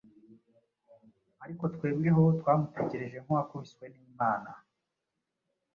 ariko twebweho twamutekereje nk’uwakubiswe n’Imana,